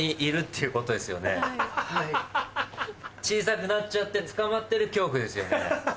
小さくなっちゃって捕まってる恐怖ですよね？